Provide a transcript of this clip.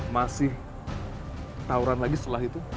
masih tawuran lagi setelah itu